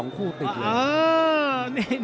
๒คู่ติดยอด